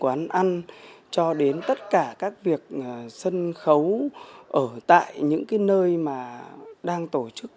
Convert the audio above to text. quán ăn cho đến tất cả các việc sân khấu ở tại những cái nơi mà đang tổ chức